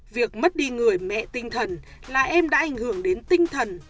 việc mất đi người mẹ tinh thần là em đã ảnh hưởng đến tinh thần